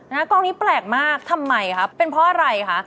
กองนี้แปลกมากทำไมครับเป็นเพราะอะไรคะ